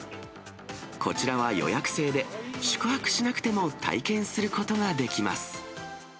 こちらは予約制で、宿泊しなくても体験することができます。